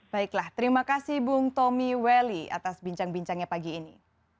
baiklah terima kasih bung tommy welly atas bincang bincangnya pagi ini